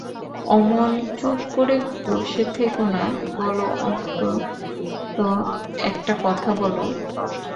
–অমন চুপ করে বসে থেকো না, বলো অন্তু, একটা কথা বলো।